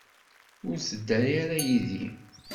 Ur tedda ara yid-i.